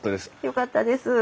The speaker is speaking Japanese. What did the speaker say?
よかったです。